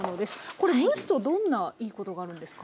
これ蒸すとどんないいことがあるんですか？